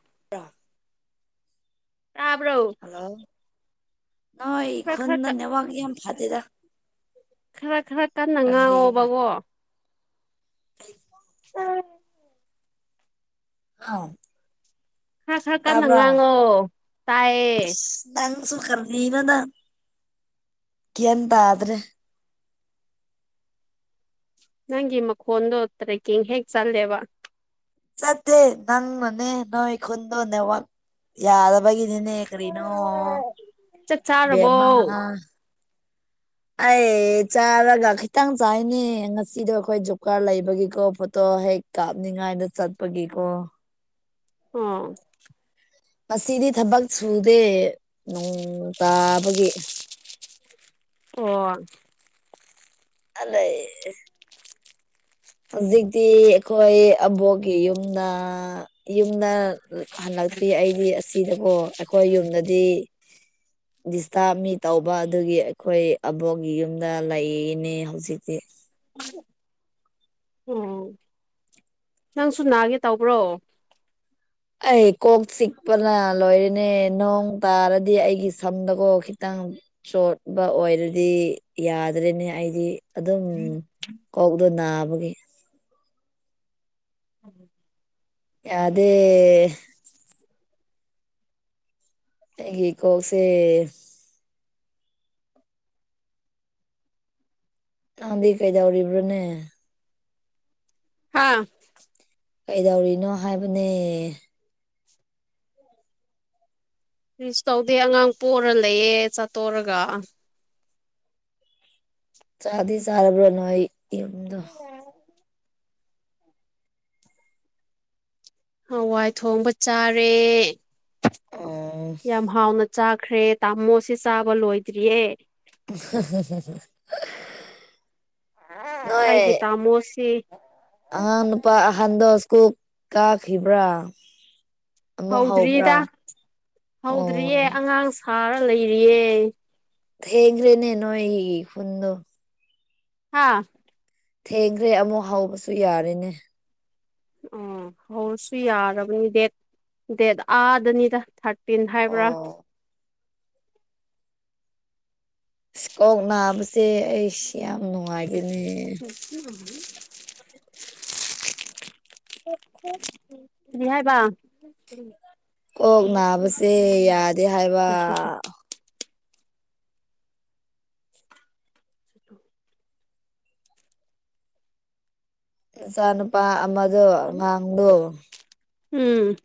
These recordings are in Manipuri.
[unintelligible] ꯇꯥꯕꯔꯣ ꯍꯜꯂꯣ ꯅꯣꯏ ꯈꯨꯟꯗ ꯅꯦꯠꯋꯥꯛ ꯌꯥꯝ ꯐꯗꯦꯗ ꯈꯔ ꯈꯔ ꯀꯟꯅ ꯀꯔꯤꯒꯤꯔ ꯉꯥꯡꯉꯣꯕꯒꯣ [unintelligible] [unintelligible] ꯍꯥꯎ ꯈꯔ ꯈꯔ ꯀꯟꯅ ꯉꯥꯡꯉꯣ ꯇꯥꯏꯌꯦ ꯁꯨ ꯀꯔꯤꯅ ꯅꯪ ꯒꯌꯥꯟ ꯇꯥꯗ꯭ꯔꯦ ꯅꯪꯒꯤ ꯃꯈꯣꯟꯗꯣ ꯇ꯭ꯔꯦꯀꯤꯡ ꯍꯦꯛ ꯆꯠꯂꯦꯕ ꯆꯠꯇꯦ ꯅꯪꯅꯅꯦ ꯅꯣꯏ ꯈꯨꯟꯗꯣ ꯅꯦꯠꯋꯥꯛ ꯌꯥ ꯕꯒꯤꯅꯤꯅꯦ ꯀꯔꯤꯅꯣ ꯆꯥꯛ ꯆꯥꯔꯕꯣ ꯕꯦꯝꯃ ꯑꯩ ꯆꯥꯔꯒ ꯈꯤꯇꯪ ꯆꯥꯏꯅꯦ ꯉꯁꯤꯗꯣ ꯑꯈꯣꯏ ꯖꯨꯞꯀꯥꯔ ꯂꯩꯕꯒꯤꯀꯣ ꯐꯣꯇꯣ ꯍꯦꯛ ꯀꯥꯞꯅꯤꯡꯉꯥꯏꯗ ꯆꯠꯄꯒꯤꯀꯣ ꯑꯥ ꯃꯁꯤꯗꯤ ꯊꯕꯛ ꯁꯨꯗꯦ ꯅꯣꯡ ꯇꯥꯕꯒꯤ ꯑꯣ ꯑꯂꯩ ꯍꯨꯖꯤꯛꯇꯤ ꯑꯈꯣꯏ ꯑꯕꯣꯛꯀꯤ ꯌꯨꯝꯗ ꯌꯨꯝꯗ ꯂ ꯍꯜꯂꯛꯇ꯭ꯔꯤ ꯑꯩꯗꯤ ꯑꯁꯤꯗꯀꯣ ꯑꯩꯈꯣꯏ ꯌꯨꯝꯗꯗꯤ ꯗꯤꯁꯇꯥꯔꯕ ꯃꯤ ꯇꯧꯕ ꯑꯗꯨꯒꯤ ꯑꯩꯈꯣꯏ ꯑꯕꯣꯛꯒꯤ ꯌꯨꯝꯗ ꯂꯩꯅꯦ ꯍꯧꯖꯤꯛꯇꯤ [inaudible] ꯑꯣ ꯅꯪꯁꯨ ꯅꯥꯒꯦ ꯇꯧꯕ꯭ꯔꯣ ꯑꯩ ꯀꯣꯛ ꯆꯤꯛꯄꯅ ꯂꯣꯏꯔꯅꯦ ꯅꯣꯡ ꯇꯥꯔꯗꯤ ꯑꯩꯒꯤ ꯁꯝꯗꯀꯣ ꯈꯤꯇꯪ ꯅꯣꯡ ꯆꯣꯠꯄ ꯑꯣꯏꯔꯗꯤ ꯌꯥꯗ꯭ꯔꯦꯅꯦ ꯑꯩꯗꯤ ꯑꯗꯨꯝ ꯀꯧꯗꯣ ꯅꯥꯕꯒꯤ ꯌꯥꯗꯦ ꯑꯩꯒꯤ ꯀꯣꯛꯁꯦ ꯅꯪꯗꯤ ꯀꯩꯗꯧꯔꯤꯕ꯭ꯔꯅꯦ ꯍꯥꯥ ꯀꯩꯗꯧꯔꯤꯅꯣ ꯍꯥꯏꯕꯅꯦ ꯀꯔꯤꯁꯨ ꯇꯧꯗꯦ ꯑꯉꯥꯡ ꯄꯣꯔꯥ ꯂꯩꯌꯦ ꯆꯥꯇꯣꯔꯒ ꯆꯥꯗꯤ ꯆꯥꯔꯕ꯭ꯔꯣ ꯅꯣꯏ ꯌꯨꯝꯗꯣ [unintelligible] ꯍꯥꯋꯥꯏ ꯊꯣꯡꯕ ꯆꯥꯔꯦ ꯑꯣ ꯌꯥꯝ ꯍꯥꯎꯅ ꯆꯥꯈ꯭ꯔꯦ ꯇꯥꯃꯣꯁꯦ ꯆꯥꯕ ꯂꯣꯏꯗ꯭ꯔꯤꯌꯦ [unintelligible] ꯅꯣꯏ ꯑꯩꯒꯤ ꯇꯃꯣꯁꯤ ꯑꯉꯥꯡ ꯅꯨꯄꯥ ꯑꯍꯟꯗꯣ ꯁ꯭ꯀꯨꯜ ꯀꯥꯈꯤꯕ꯭ꯔꯥ ꯑꯃꯨꯛ ꯍꯧꯕ꯭ꯔꯥ ꯍꯧꯗ꯭ꯔꯤꯗ ꯑꯣ ꯍꯧꯗ꯭ꯔꯤꯌꯦ ꯑꯉꯥꯡ ꯁꯥꯔ ꯂꯩꯔꯤꯌꯦ ꯊꯦꯡꯒ꯭ꯔꯦꯅꯦ ꯅꯣꯏ ꯈꯨꯟꯗꯣ ꯍꯥꯥ ꯊꯦꯡꯈ꯭ꯔꯦ ꯑꯃꯨꯛ ꯍꯧꯕꯁꯨ ꯌꯥꯔꯦꯅꯦ ꯑꯥ ꯍꯧꯔꯁꯨ ꯌꯥꯔꯕꯅꯤ ꯗꯦꯠ ꯗꯦꯠ ꯑꯥꯗꯅꯤꯗ ꯊꯥꯔꯠ ꯇꯤꯟ ꯍꯥꯏꯕ꯭ꯔꯥ ꯑꯣ ꯏꯁ ꯀꯣꯛ ꯅꯥꯕꯁꯦ ꯑꯩꯁ ꯌꯥꯝ ꯅꯨꯡꯉꯥꯏꯇꯦꯅꯦ [inaudible] [unintelligible] ꯀꯔꯤ ꯍꯥꯏꯕ ꯀꯣꯛ ꯅꯥꯕꯁꯦ ꯎꯝ ꯌꯥꯗꯦ ꯍꯥꯏꯕ ꯁꯤꯇꯣꯛ ꯅꯆꯥ ꯅꯨꯨꯄꯥ ꯑꯃꯗꯣ ꯑꯉꯥꯡꯗꯣ ꯎꯝ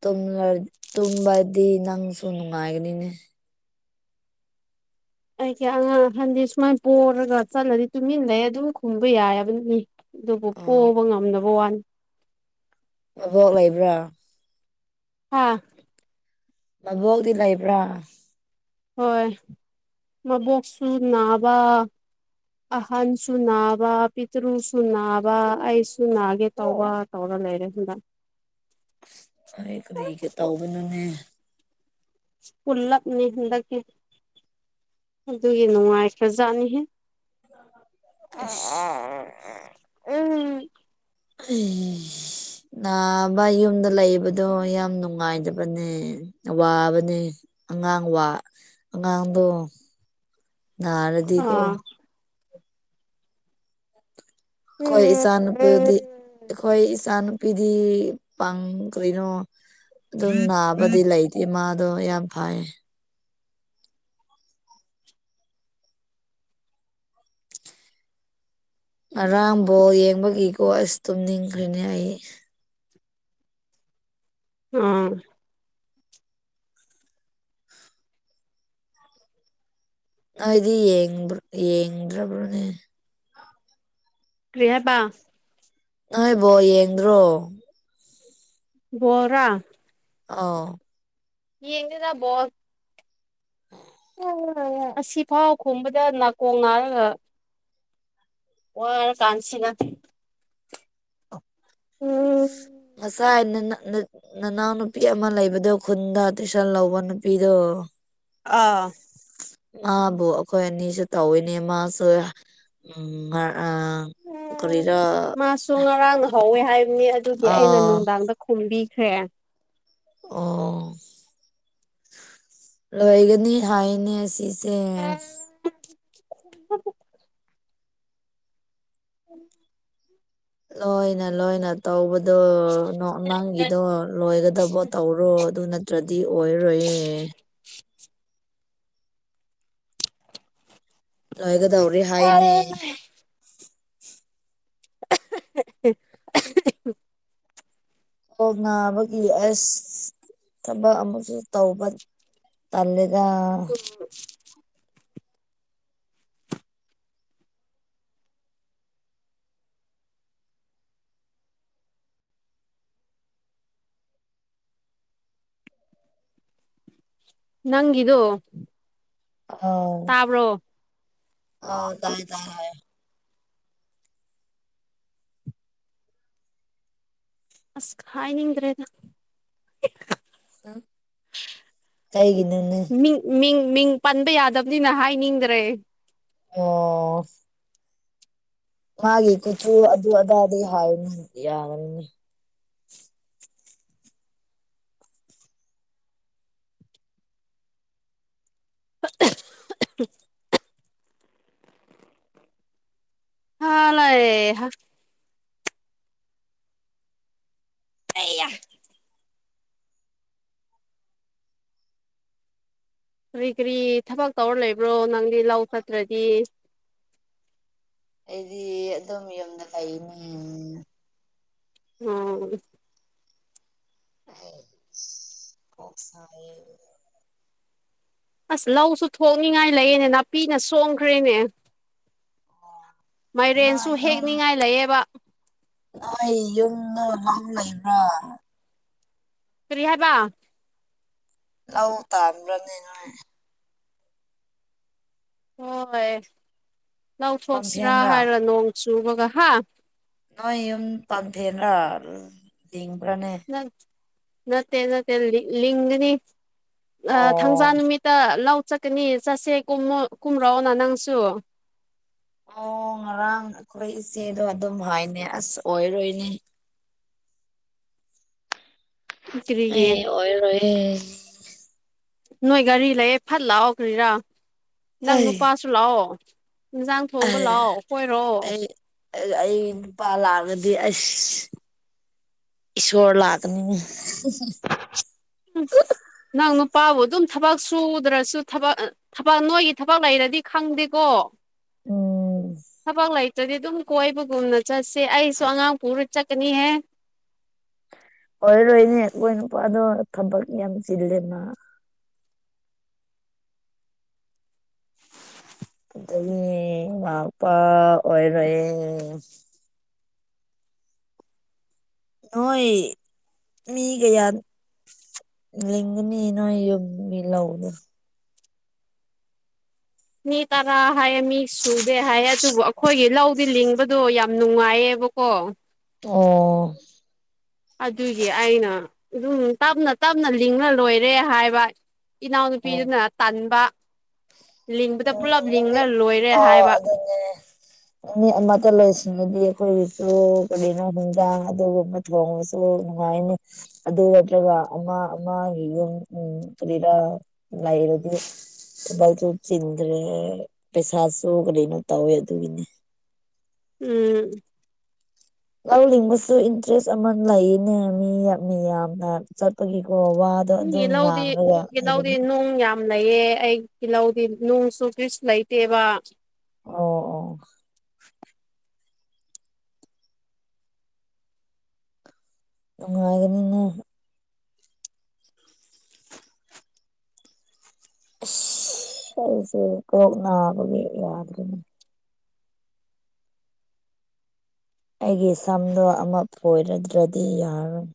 ꯇꯨꯝꯂ꯭ꯔ ꯇꯨꯝꯕꯗꯤ ꯅꯪꯁꯨ ꯅꯨꯡꯉꯥꯏꯒꯅꯤꯅꯦ ꯑꯩꯒꯤ ꯑꯉꯥꯡꯍꯟꯗꯤ ꯁꯨꯃꯥꯏ ꯄꯣꯔꯒ ꯆꯠꯂꯗꯤ ꯇꯨꯃꯤꯟꯂꯩꯩ ꯑꯗꯨꯝ ꯈꯨꯝꯕ ꯌꯥꯏꯕꯅꯤ ꯑꯗꯨꯕꯨ ꯑꯣ ꯄꯣꯕ ꯉꯝꯗꯕ ꯋꯥꯅꯤ ꯃꯕꯣꯛ ꯂꯩꯕ꯭ꯔꯥ ꯑꯥ ꯃꯕꯣꯛꯇꯤ ꯂꯩꯕ꯭ꯔꯥ ꯍꯣꯏ ꯃꯕꯣꯛꯁꯨ ꯅꯥꯕ ꯑꯍꯟꯁꯨ ꯅꯥꯕ ꯄꯤꯇ꯭ꯔꯨꯁꯨ ꯅꯥꯕ ꯑꯩꯁꯨ ꯅꯥꯒꯦ ꯇꯧꯕ ꯇꯧ ꯂꯩꯔꯦ ꯁꯣꯝꯗ ꯑꯁ ꯀꯔꯤꯒꯤ ꯇꯥꯎꯕꯅꯣꯅꯦ ꯄꯨꯜꯂꯞꯅꯤ ꯍꯟꯗꯛꯇꯤ ꯑꯗꯨꯒꯤ ꯅꯨꯡꯉꯥꯏꯈ꯭ꯔꯖꯥꯠꯅꯤꯍꯦ ꯑ ꯑꯥ ꯎꯝ ꯑꯩ ꯅꯥꯕ ꯌꯨꯝꯗ ꯂꯩꯕꯗꯣ ꯌꯥꯝ ꯅꯨꯡꯉꯥꯏꯗꯕꯅꯦ ꯋꯥꯕꯅꯦ ꯑꯉꯥꯡ ꯋꯥ ꯑꯉꯥꯡꯗꯣ ꯅꯥꯔꯗꯤꯀꯣ ꯑꯥ ꯑꯩꯈꯣꯏ ꯏꯆꯥ ꯅꯨꯨꯄꯤꯗꯤ ꯑꯩꯈꯣꯏ ꯏꯆꯥ ꯅꯨꯨꯄꯤꯗꯤ ꯄꯥꯡ ꯀꯔꯤꯅꯣ ꯑꯗꯨꯝ ꯅꯥꯕꯗꯤ ꯂꯩꯇꯦ ꯃꯥꯗꯣ ꯌꯥꯝ ꯐꯩ ꯉꯥꯔꯥꯡ ꯕꯣꯜ ꯌꯦꯡꯕꯒꯤꯀꯣ ꯑꯁ ꯇꯨꯝꯅꯤꯡꯈ꯭ꯔꯦꯅꯦ ꯑꯩ ꯎꯝ ꯑꯩꯗꯤ ꯌꯦꯡ꯭ꯕꯔꯣ ꯌꯦꯡꯕꯗ꯭ꯔꯕ꯭ꯔꯣꯅꯦ ꯀ꯭ꯔꯤ ꯍꯥꯏꯄ ꯅꯣꯏ ꯕꯣꯜ ꯌꯦꯡꯗ꯭ꯔꯣ ꯕꯣꯔꯥ ꯑꯥꯎ ꯌꯦꯡꯗꯦꯗ ꯕꯣꯜ [unintelligible] ꯑꯁꯤꯐꯥꯎ ꯈꯨꯝꯕꯗ ꯅꯥꯀꯣꯡ ꯅꯥꯔꯒ ꯋꯥꯔ ꯀꯥꯟꯁꯤꯗ ꯎꯝ ꯉꯥꯁꯥꯏꯅꯅ ꯅꯅꯥꯎ ꯅꯨꯄꯤ ꯑꯃ ꯂꯩꯕꯗꯣ ꯈꯨꯟꯗ ꯇꯨꯏꯁꯟ ꯂꯧꯕ ꯅꯨꯄꯤꯗꯣ ꯑꯥ ꯃꯥꯕꯨ ꯑꯩꯈꯣꯏ ꯑꯅꯤꯁꯨ ꯇꯧꯋꯤꯅꯦ ꯃꯥꯁꯨ ꯎꯝ ꯉꯥ [unintelligible] ꯃꯥꯁꯨ ꯉꯔꯥꯡ ꯍꯧꯋꯦ ꯍꯥꯏꯕꯅꯤ ꯑꯗꯨꯗꯤ ꯑꯩꯅ ꯑꯥ ꯅꯨꯡꯗꯥꯡꯗ ꯈꯨꯝꯕꯤꯈꯤ ꯈ꯭ꯔꯦ ꯑꯣ ꯂꯣꯏꯒꯅꯤ ꯍꯥꯏꯅꯦ ꯑꯁꯤ ꯑꯦ [unintelligible] ꯍꯝ ꯂꯣꯏꯅ ꯂꯣꯏꯅ ꯇꯧ ꯑꯗꯣ ꯅꯪꯒꯤꯗꯣ ꯂꯣꯏꯒꯗꯕ ꯇꯧꯔꯣ ꯑꯗꯨ ꯅꯠꯇ꯭ꯔꯗꯤ ꯑꯣꯏꯔꯔꯣꯏꯌꯦ ꯂꯣꯏꯒꯗꯧꯔꯤ ꯍꯥꯏꯅꯦ [unintelligible] [unintelligible] ꯑꯣ ꯅꯕꯒꯤ ꯑꯦꯁ ꯊꯕꯛ ꯑꯃꯁꯨꯨ ꯇꯧꯕ ꯇꯜꯂꯦꯗ ꯅꯪꯒꯤꯗꯣ ꯇꯥꯕ꯭ꯔꯣ ꯑꯥꯥꯎ ꯇꯥꯏꯌꯦ ꯇꯥꯏ ꯍꯥꯏ ꯑꯁ ꯍꯥꯏꯅꯤꯡꯗ꯭ꯔꯦꯗ ꯑꯝ ꯀꯩꯒꯤꯅꯣꯅꯦ ꯃꯤꯡ ꯃꯤꯡ ꯃꯤꯡ ꯄꯟꯕ ꯌꯥꯗꯕꯅꯤꯅ ꯍꯥꯏꯅꯤꯡꯗ꯭ꯔꯦ ꯑꯣ ꯃꯥꯒꯤ ꯀꯨꯆꯨ ꯑꯗꯨ ꯑꯗꯥꯗꯤ ꯍꯥꯏꯅ ꯌꯥꯒꯅꯤꯅꯤ ꯍꯥꯂꯩꯪꯍꯥ ꯑꯩꯌꯥ ꯀꯔꯤ ꯀꯔꯤ ꯊꯕꯛ ꯇꯧꯔ ꯂꯩꯕ꯭ꯔꯣ ꯅꯪꯗꯤ ꯂꯧ ꯆꯠꯇ꯭ꯔꯗꯤ ꯑꯩꯗꯤ ꯑꯗꯨꯝ ꯌꯨꯝ ꯂꯩꯗ ꯎꯝ ꯑꯩꯁ ꯀꯣꯛ ꯁꯥꯏꯌꯦ ꯑꯁ ꯂꯧꯁꯨ ꯊꯣꯛꯅꯤꯡꯉꯥꯏ ꯂꯩꯌꯦꯅꯦ ꯅꯥꯄꯤꯅ ꯁꯣꯡꯈ꯭ꯔꯦꯅꯦ ꯅꯣꯏ ꯃꯥꯏꯔꯦꯟꯁꯨ ꯌꯨꯝ ꯍꯦꯛꯅꯤꯡꯉꯥꯏ ꯂꯩꯌꯦꯕ ꯂꯥꯡ ꯂꯩꯕ꯭ꯔꯥ ꯀꯔꯤ ꯍꯥꯏꯕ ꯂꯧ ꯇꯥꯟꯕ꯭ꯔꯥꯅꯦꯅꯣꯏ ꯍꯣꯏ ꯂꯧꯊꯣꯛꯁꯤꯔꯥ ꯄꯥꯝꯐꯦꯟꯔꯥ ꯍꯥꯏꯔꯣ ꯅꯣꯡ ꯆꯨꯕꯒ ꯍꯥ ꯅꯣꯏ ꯌꯨꯝ ꯄꯥꯟꯊꯦꯔ ꯅꯠ ꯅꯠꯇꯦ ꯅꯠꯇꯦ ꯂꯤꯡꯒꯅꯤ ꯑꯥ ꯊꯥꯡꯖꯥ ꯑꯣ ꯅꯨꯃꯤꯠꯇ ꯂꯧ ꯆꯠꯀꯅꯤ ꯆꯠꯁꯦ ꯀꯨꯝꯃ ꯀꯨꯝꯔꯛꯑꯣꯅ ꯅꯪꯁꯨ ꯑꯣ ꯉꯔꯥꯡ ꯑꯩꯈꯣꯏ ꯏꯆꯦꯗꯣ ꯑꯗꯨꯝ ꯍꯥꯏꯅꯦ ꯑꯁ ꯑꯣꯏꯔꯣꯏꯅꯦ ꯀꯔꯤꯒꯤ ꯑꯩ ꯑꯣꯏ ꯔꯣꯏꯑꯦ ꯅꯣꯏ ꯒꯥꯔꯤ ꯂꯩꯌꯦ ꯐꯠ ꯂꯥꯛꯑꯣ ꯀ꯭ꯔꯤꯔꯥ ꯅꯪ ꯑꯩ ꯅꯨꯄꯥꯁꯨ ꯂꯥꯛꯑꯣ ꯏꯟꯖꯥꯡ ꯊꯣꯡꯕ ꯑꯩ ꯂꯥꯛꯑꯣ ꯑꯩꯈꯣꯏꯔꯣ ꯑꯩ ꯑꯩ ꯅꯨꯄꯥ ꯂꯥꯛꯑꯒ ꯗꯤ ꯑꯁ ꯏꯁꯣꯔ ꯂꯥꯛꯀꯅꯤꯅ [unintelligible] ꯅꯪ ꯅꯨꯄꯥꯕꯨ ꯑꯗꯨꯝ ꯊꯕꯛ ꯁꯨꯗ꯭ꯔꯁꯨ ꯊꯕꯛ ꯊꯕꯛ ꯅꯣꯏꯒꯤ ꯊꯕꯛ ꯂꯩꯔꯗꯤ ꯈꯪꯗꯦꯀꯣ ꯎꯝ ꯊꯕꯛ ꯂꯩꯇ꯭ꯔꯗꯤ ꯑꯗꯨꯝ ꯀꯣꯏꯕꯒꯨꯝꯅ ꯆꯠꯁꯦ ꯑꯩꯁꯨ ꯑꯉꯥꯡ ꯄꯨꯔ ꯆꯠꯀꯅꯤꯍꯦ ꯑꯣꯏꯔꯣꯏꯅꯦ ꯑꯩꯈꯣꯏ ꯅꯨꯄꯥꯗꯣ ꯊꯕꯛ ꯌꯥꯝ ꯆꯤꯜꯂꯦꯃ [inaudible] ꯑꯗꯒꯤ ꯃꯄꯥ ꯑꯣꯏꯔꯣꯏꯌꯦ ꯅꯣꯏ ꯃꯤ ꯒꯌꯥ ꯂꯤꯡꯒꯅꯤ ꯅꯣꯏ ꯌꯨꯝ ꯃꯤ ꯂꯧꯗꯣ ꯃꯤ ꯇꯔꯥ ꯍꯥꯏꯌꯦ ꯃꯤ ꯁꯨꯗꯦ ꯍꯥꯏꯌꯦ ꯑꯗꯨꯕꯨ ꯑꯩꯈꯣꯏꯒꯤ ꯂꯧꯗꯤ ꯂꯤꯡꯕꯗꯣ ꯌꯥꯝ ꯅꯨꯡꯉꯥꯏꯌꯦ ꯀꯣ ꯑꯣ ꯑꯗꯨꯒꯤ ꯑꯩꯅ ꯑꯗꯨꯝ ꯇꯞꯅ ꯇꯞꯅ ꯂꯤꯡꯉꯥ ꯂꯣꯏꯔꯦ ꯍꯥꯏꯕ ꯑꯣ ꯏꯅꯥꯎꯅꯨꯄꯤꯗꯨꯅ ꯇꯟꯕ ꯂꯤꯡꯕꯗ ꯎꯝ ꯄꯨꯂꯞ ꯂꯤꯡꯂ ꯑꯗꯨꯝꯅꯤꯛ ꯂꯣꯏꯔꯦ ꯑꯥꯎ ꯍꯥꯏꯕ ꯑꯗꯨꯅꯦ ꯅꯨꯃꯤꯠ ꯑꯃꯗ ꯂꯣꯏꯁꯤꯟ ꯗꯤ ꯑꯩꯈꯣꯏꯒꯤꯁꯨ ꯀꯔꯤꯅꯣ ꯍꯤꯟꯖꯥꯡ ꯑꯗꯨꯒꯨꯝꯕ ꯊꯣꯡꯉꯁꯨ ꯅꯨꯡꯉꯥꯏꯅꯤ ꯑꯗꯨ ꯑꯗꯨ ꯑꯣꯏꯗ꯭ꯔꯒ ꯅꯠꯇ꯭ꯔꯒ ꯑꯃ ꯑꯃꯒꯤ ꯌꯨꯝ ꯎꯝ ꯀꯔꯤꯔꯥ ꯂꯩꯔꯗꯤ ꯊꯕꯛꯁꯨ ꯆꯤꯟꯒ꯭ꯔꯦ ꯄꯩꯁꯥꯁꯨ ꯒꯔꯤꯅꯣ ꯇꯧꯋꯦ ꯑꯗꯨꯒꯤꯅꯦ ꯎꯝ ꯂꯧꯂꯤꯡꯕꯁꯨ ꯏꯟꯇꯔꯦꯁ ꯑꯃ ꯂꯩꯅꯦ ꯃꯤ ꯃꯤ ꯌꯥꯝꯅ ꯆꯠꯄꯒꯤ ꯑꯣ ꯋꯥꯗꯣ ꯃꯤꯒꯤ ꯑꯗꯨꯝ ꯂꯧꯗꯤ ꯉꯥꯡꯔꯒ ꯃꯤꯒꯤ ꯂꯧꯗꯤ ꯂꯩꯕꯒꯤ ꯅꯨꯡ ꯌꯥꯝ ꯂꯩꯌꯦ ꯑꯩꯒꯤ ꯂꯧꯗꯤ ꯅꯨꯡꯁꯨ ꯀ꯭ꯔꯤꯁ ꯂꯩꯇꯦꯕ ꯑꯣꯑꯣ ꯅꯨꯡꯉꯥꯏꯒꯅꯤꯅꯨ ꯑꯁ ꯑꯩꯖꯦ ꯀꯣꯛ ꯅꯥꯕꯒꯤ ꯌꯥꯗ꯭ꯔꯅꯦ ꯑꯩꯒꯤ ꯁꯝꯗꯣ ꯑꯃ ꯐꯣꯏꯔꯗ꯭ꯔꯗꯤ ꯌꯥꯔꯣꯏ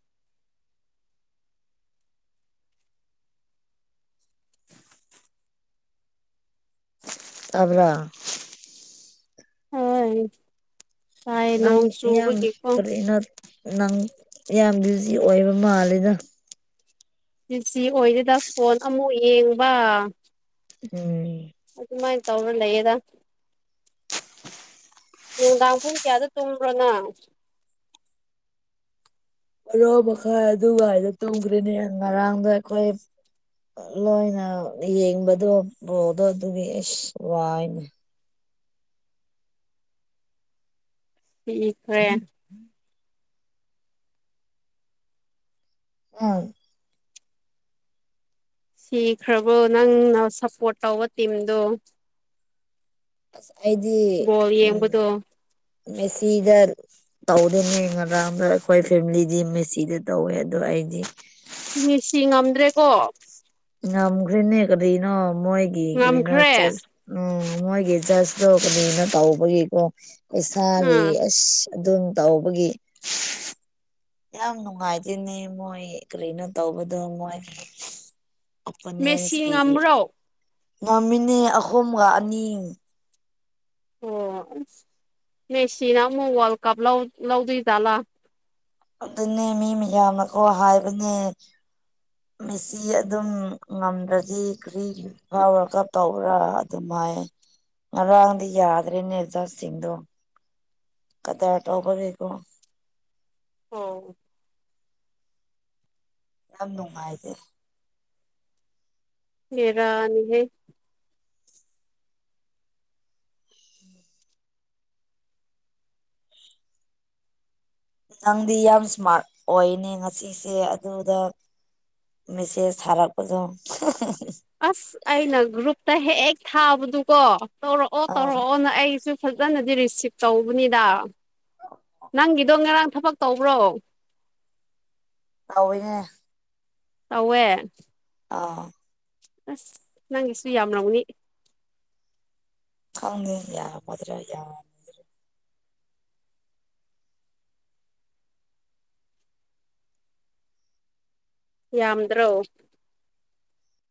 ꯇꯕ꯭ꯔꯥ ꯍꯥꯏ ꯅꯪ ꯌꯥꯝ ꯀꯔꯤꯅꯣ ꯅꯪ ꯌꯥꯝ ꯕꯤꯖꯤ ꯑꯣꯏꯕ ꯃꯥꯜꯂꯤꯦꯗ ꯁꯤ ꯑꯣꯏꯗ ꯐꯣꯟ ꯑꯃꯨꯛ ꯌꯦꯡꯕ ꯎꯝ ꯁꯨꯃꯥꯏ ꯇꯧꯔ ꯂꯩꯌꯦꯗ ꯅꯨꯡꯗꯥꯡ ꯄꯨꯡ ꯀꯌꯥꯗ ꯇꯨꯝꯕ꯭ꯔꯣ ꯅꯪ [inaudible] ꯕꯥꯔꯣ ꯃꯈꯥꯏ ꯑꯗꯨ ꯍꯥꯏꯗ ꯇꯧꯈ꯭ꯔꯦꯅꯦ ꯉꯔꯥꯡꯗꯣ ꯑꯈꯣꯏ ꯂꯣꯏꯅ ꯌꯦꯡꯕꯗꯣ ꯕꯣꯜꯗꯣ ꯑꯗꯨꯒꯤ ꯑꯁ ꯋꯥꯏꯅꯦ ꯃꯤꯗꯤ ꯈꯔ ꯌꯥꯝ ꯎꯝ ꯁꯤꯈ꯭ꯔꯕꯣ ꯅꯪꯅ ꯁꯞꯄꯣꯔꯠ ꯇꯧꯕ ꯇꯤꯝꯗꯣ ꯑꯩꯗꯤ ꯕꯣꯜ ꯎꯝ ꯌꯦꯡꯕꯗꯣ ꯃꯦꯁꯤ ꯏꯗꯔ ꯇꯧꯔꯦꯍꯦꯉꯔꯥꯡꯗ ꯑꯩꯈꯣꯏ ꯐꯦꯃꯤꯂꯤꯗꯤ ꯃꯦꯁꯤꯗ ꯇꯧꯋꯦ ꯑꯗꯣ ꯑꯩꯗꯤ ꯃꯦꯁꯤ ꯉꯝꯗ꯭ꯔꯦꯀꯣ ꯅꯝꯒꯔꯤꯅꯦ ꯀꯔꯤꯅꯣ ꯃꯣꯏꯒꯤ ꯀꯔꯤꯅꯣ ꯉꯝꯈ꯭ꯔꯦ ꯆꯥꯁ ꯎꯝ ꯃꯣꯏꯒꯤ ꯖꯁꯇꯣ ꯀꯔꯤꯅꯣ ꯇꯧꯕꯒꯤꯀꯣ ꯄꯩꯁꯥꯒꯤ ꯑꯥ ꯑꯁ ꯑꯗꯨꯝ ꯇꯧꯕꯒꯤ ꯌꯥꯝ ꯅꯨꯡꯉꯥꯏꯇꯦꯅꯦ ꯃꯣꯏ ꯀꯔꯤꯅꯣ ꯇꯧꯕꯗꯣ ꯃꯣꯏ ꯃꯦꯁꯤ ꯑꯣꯄꯣꯅꯦꯟꯁꯀꯤ ꯉꯝꯕ꯭ꯔꯣ ꯉꯝꯃꯤꯅꯦ ꯑꯍꯨꯝꯒ ꯑꯅꯤ ꯑꯣ ꯃꯦꯁꯤꯅ ꯑꯃꯨꯛ ꯋꯥꯔꯜ ꯀꯞ ꯂꯧ ꯂꯧꯗꯣꯏ ꯆꯠꯂ ꯑꯗꯨꯅꯦ ꯃꯤ ꯃꯌꯥꯝꯅꯀꯣ ꯍꯥꯏꯕꯅꯦ ꯃꯦꯁꯤ ꯑꯗꯨꯝ ꯉꯝꯗ꯭ꯔꯗꯤ ꯀꯔꯤꯒꯤ ꯐꯤꯐ ꯋꯜ ꯀꯥꯞ ꯇꯧꯕ꯭ꯔ ꯑꯗꯨꯃ ꯍꯥꯏ ꯉꯔꯡꯗꯤ ꯌꯥꯗ꯭ꯔꯦꯅꯦ ꯖꯥꯁꯁꯤꯡꯗꯣ ꯀꯗ꯭ꯔ ꯇꯧꯕꯒꯤꯀꯣ ꯑꯣ ꯌꯥꯝ ꯅꯨꯡꯉꯥꯏꯇꯦ ꯕꯦꯔꯅꯤꯍꯦ ꯅꯪꯗꯤ ꯌꯥꯝ ꯏꯁꯃꯥꯔꯠ ꯑꯣꯏꯅꯦ ꯉꯁꯤꯁꯦ ꯑꯗꯨꯗ ꯃꯦꯁꯦꯁ ꯊꯔꯛꯄꯗꯣ ꯍꯥꯍꯥ ꯑꯁ ꯑꯩꯅ ꯒ꯭ꯔꯨꯞꯇ ꯍꯦꯛ ꯊꯥꯕꯗꯨꯀꯣ ꯇꯧꯔꯛꯑꯣ ꯑꯥ ꯇꯧꯔꯛꯑꯣꯅ ꯑꯩꯁꯨ ꯐꯖꯅꯗꯤ ꯔꯤꯁꯤꯞ ꯇꯧꯕꯅꯤꯗ ꯅꯪꯒꯤꯗꯣ ꯉꯔꯥꯡ ꯊꯕꯛ ꯇꯧꯕ꯭ꯔꯣ ꯇꯧꯋꯤꯅꯦ ꯊꯧꯋꯦ ꯑꯥ ꯑꯁ ꯅꯪꯒꯤꯁꯨ ꯌꯥꯝ ꯔꯧꯅꯤ ꯈꯪꯗꯦ ꯌꯝꯒꯗ꯭ꯔ ꯌꯝꯗ꯭ꯔ ꯌꯥꯝꯗ꯭ꯔꯣ